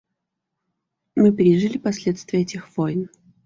Мы пережили последствия этих войн.